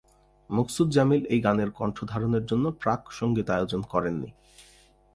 মকসুদ জামিল এই গানের কন্ঠ ধারণের জন্য প্রাক-সঙ্গীতায়োজন করেননি।